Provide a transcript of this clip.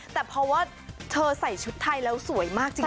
แต่เพราะว่าเธอใส่ชุดไทยแล้วสวยมากจริง